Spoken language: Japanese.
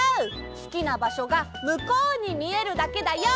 すきなばしょがむこうにみえるだけだよ。